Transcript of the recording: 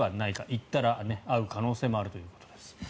行ったら会う可能性もあるということです。